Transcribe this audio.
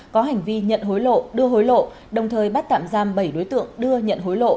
có hành vi nhận hối lộ đưa hối lộ đồng thời bắt tạm giam bảy đối tượng đưa nhận hối lộ